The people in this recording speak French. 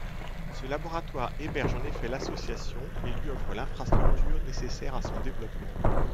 Ce laboratoire héberge en effet l’association et lui offre l’infrastructure nécessaire à son développement.